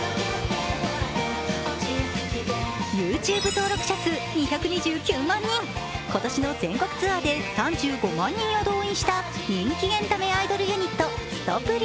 ＹｏｕＴｕｂｅ登録者数２２９万人、今年の全国ツアーで３５万人を動員した人気エンタメアイドルユニット・すとぷり。